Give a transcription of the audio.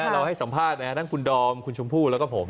เราให้สัมภาษณ์ทั้งคุณดอมคุณชมพู่แล้วก็ผม